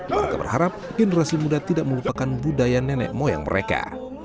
warga berharap generasi muda tidak melupakan budaya nenek moyang mereka